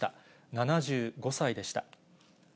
７５歳でした。